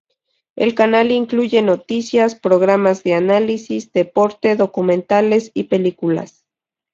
El canal incluye noticias, programas de análisis, deporte, documentales y películas.